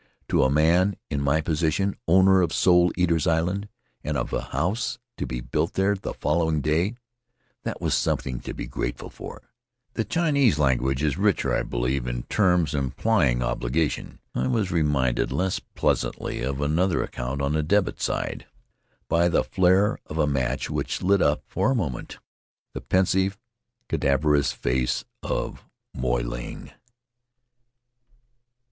To a man in my position, owner of Soul Eaters' Island, and of a house to be built there the following day, that was something to be grateful for. The Chinese language is richer, I believe, in terms implying obligation. I was reminded, less pleasantly, of another account on the debit side, by the flare of a match which lit up for a moment the pensive, cadaver ous face of Moy Ling.